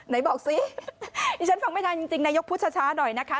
ไหนบอกสิดิฉันฟังไม่ทันจริงนายกพูดช้าหน่อยนะคะ